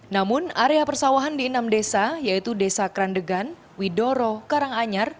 namun area persawahan di enam desa yaitu desa krandegan widoro karanganyar